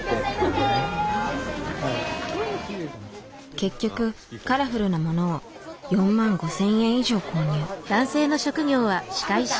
結局カラフルなものを４万５，０００円以上購入。